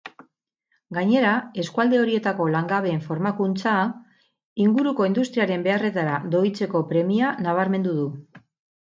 Gainera, eskualde horietako langabeen formakuntza inguruko industriaren beharretara doitzeko premia nabarmendu du.